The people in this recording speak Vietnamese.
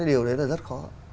điều đấy là rất khó